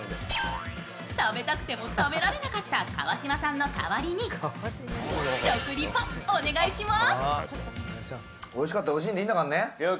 食べたくても食べられなかった川島さんの代わりに食リポ、お願いします。